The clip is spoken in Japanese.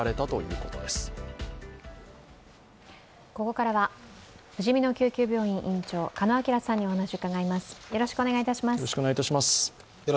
ここからはふじみの救急病院院長、鹿野晃さんにお話を伺います。